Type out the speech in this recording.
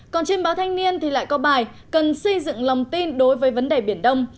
còn trên báo thanh niên thì lại có bài cần xây dựng lòng tin đối với vấn đề biển đông